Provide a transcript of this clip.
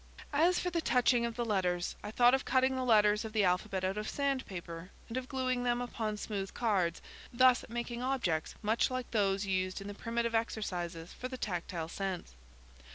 As for the touching of the letters, I thought of cutting the letters of the alphabet out of sandpaper, and of gluing them upon smooth cards, thus making objects much like those used in the primitive exercises for the tactile sense.